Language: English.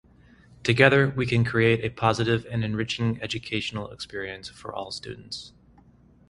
Together, we can create a positive and enriching educational experience for all students.